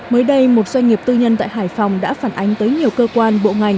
mới đây một doanh nghiệp tư nhân tại hải phòng đã phản ánh tới nhiều cơ quan bộ ngành